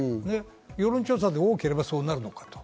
世論調査で多ければそうなるのかと。